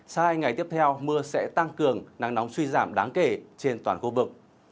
sau hai ngày tiếp theo mưa sẽ tăng cường nắng nóng suy giảm đáng kể trên toàn khu vực